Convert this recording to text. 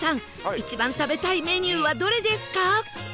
一番食べたいメニューはどれですか